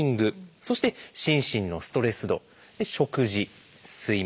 そして「心身のストレス度」「食事」「睡眠」